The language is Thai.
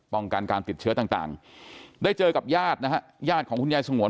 การติดเชื้อต่างได้เจอกับญาตินะฮะญาติของคุณยายสงวน